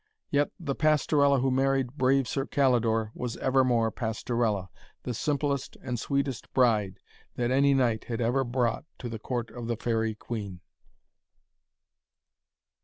Yet the Pastorella who married brave Sir Calidore was evermore Pastorella, the simplest and sweetest bride that any knight ever brought to the court of the Faerie Queen.